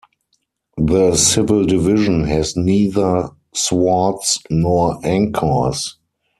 The civil division has neither swords nor anchors.